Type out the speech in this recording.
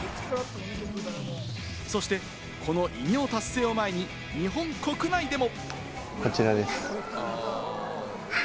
そして、この偉業達成を前に日本国内でも。